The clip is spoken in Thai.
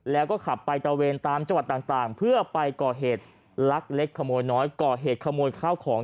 แล้วก็ขับไปตะเวนตามจังหวัดต่างเพื่อไปก่อเหตุลักเล็กขโมยน้อยก่อเหตุขโมยข้าวของ